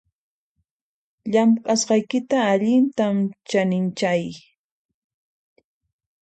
Llamk'asqaykita allintam chaninchay